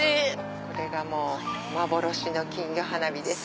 これが幻の金魚花火です。